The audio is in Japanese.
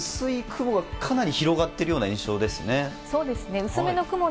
東京都心の上空は薄い雲がかなり広がってるような印象ですね。